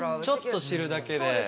ちょっと知るだけで。